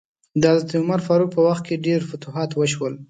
د حضرت عمر فاروق په وخت کې ډیر فتوحات وشول.